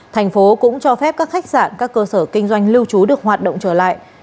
thành phố cũng cho phép các khách sạn các cơ sở kinh doanh lưu trú được hoạt động trở lại